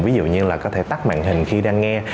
ví dụ như là có thể tắt màn hình khi đang nghe